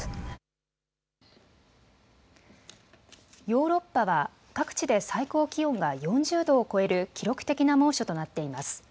ヨーロッパは各地で最高気温が４０度を超える記録的な猛暑となっています。